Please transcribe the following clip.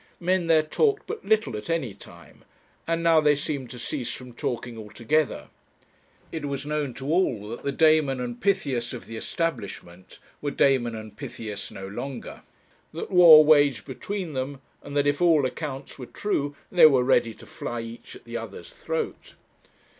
Men there talked but little at any time, and now they seemed to cease from talking altogether. It was known to all that the Damon and Pythias of the establishment were Damon and Pythias no longer; that war waged between them, and that if all accounts were true, they were ready to fly each at the other's throat.